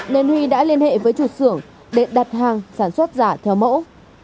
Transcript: nên huy đã liên hệ với chủ xưởng để đặt hàng sản xuất giả theo mẫu